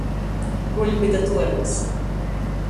Buļbi da tuorags